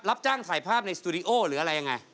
รับจ้างถ่ายภาพในสตูดิโอหรืออะไรยังไง